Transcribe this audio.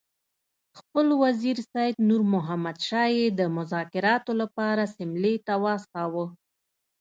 خپل وزیر سید نور محمد شاه یې د مذاکراتو لپاره سیملې ته واستاوه.